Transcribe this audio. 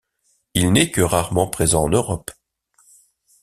Il n'est que rarement présent en Europe.